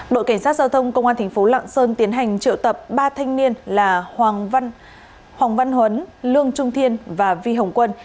đội cảnh sát giao thông công an tp lạng sơn tiến hành triệu tập ba thanh niên là hoàng văn huấn lương trung thiên và vi hồng quân